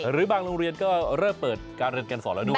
หรือบางโรงเรียนก็เริ่มเปิดการเรียนการสอนแล้วด้วย